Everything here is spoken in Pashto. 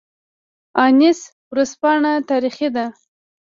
انیس ورځپاڼه تاریخي ده